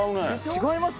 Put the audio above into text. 違いますね。